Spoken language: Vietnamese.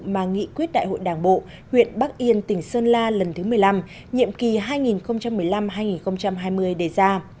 mà nghị quyết đại hội đảng bộ huyện bắc yên tỉnh sơn la lần thứ một mươi năm nhiệm kỳ hai nghìn một mươi năm hai nghìn hai mươi đề ra